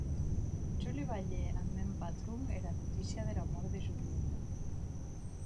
Jo li balhè ath mèn patron era notícia dera mòrt de Julieta.